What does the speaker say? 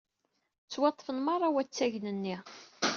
Ttwaṭṭfen merra wattagen-nni.